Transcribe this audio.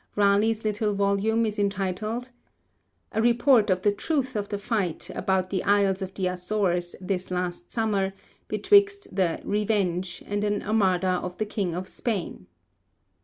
Raleigh's little volume is entitled: _A Report of the Truth of the Fight about the Iles of the Açores this last Sommer betwixt the 'Reuenge' and an Armada of the King of Spaine_.